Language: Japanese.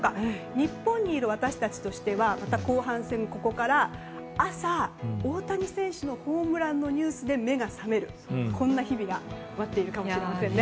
日本にいる私たちとしてはまた後半戦もここから朝、大谷選手のホームランのニュースで目が覚める、こんな日々が待っているかもしれないですね。